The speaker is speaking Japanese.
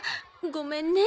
ごめんね。